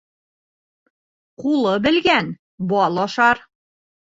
Ҡулы белгән бал ашар.